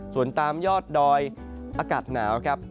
ส่วนตามยอดดอยอากาศหนาวครับ